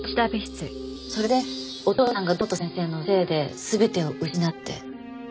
それでお父さんが堂本先生のせいで全てを失ったって。